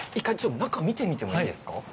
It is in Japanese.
１回中見てみてもいいですか？